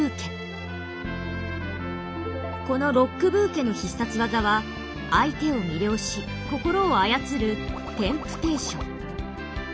このロックブーケの必殺技は相手を魅了し心を操る「テンプテーション」。